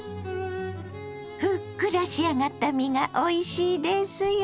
ふっくら仕上がった身がおいしいですよ。